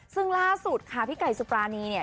ซึ่งล่าสุดค่ะพี่ไก่สุปรานีเนี่ย